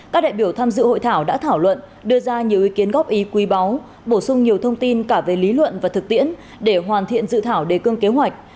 các đại biểu tham dự hội thảo đã thảo luận đưa ra nhiều ý kiến góp ý quý báu bổ sung nhiều thông tin cả về lý luận và thực tiễn để hoàn thiện dự thảo đề cương kế hoạch